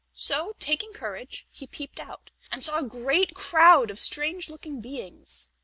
So, taking courage, he peeped out, and saw a great crowd of strange looking beings.